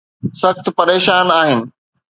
سخت پريشان آهن.